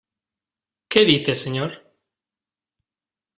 ¿ qué dice, señor?